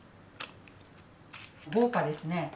豪華ですね。